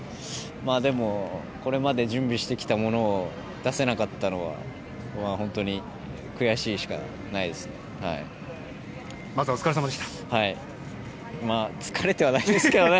でも、これまで準備してきたものを出せなかったのは本当に悔しいしかないですね。